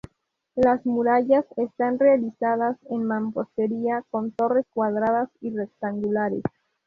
Las murallas están realizadas en mampostería, con torres cuadradas y rectangulares.